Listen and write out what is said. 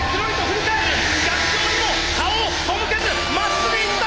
逆境にも顔を背けずまっすぐいった！